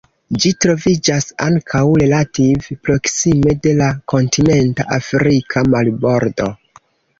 Ĝi troviĝas ankaŭ relative proksime de la kontinenta afrika marbordo.